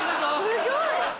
すごい！